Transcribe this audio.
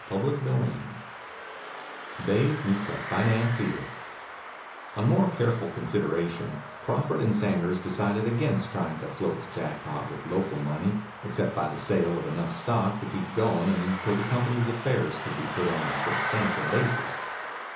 CHAPTER XXVIII DAVE MEETS A FINANCIER On more careful consideration Crawford and Sanders decided against trying to float the Jackpot with local money except by the sale of enough stock to keep going until the company's affairs could be put on a substantial basis.